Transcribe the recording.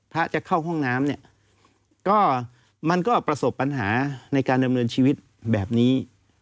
ถ้าจะเข้าห้องน้ำเนี่ยก็มันก็ประสบปัญหาในการดำเนินชีวิตแบบนี้